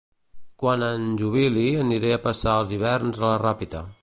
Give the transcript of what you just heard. Quan em jubili aniré a passar els hiverns a la Ràpita